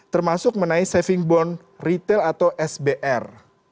termasuk menai saving bond retail atau sbr